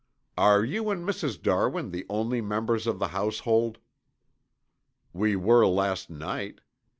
"Are you and Mrs. Darwin the only members of the household?" "We were last night.